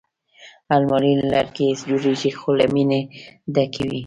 الماري له لرګي جوړېږي خو له مینې ډکې وي